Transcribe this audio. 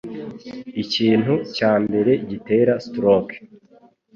Ikintu cya mbere gitera stroke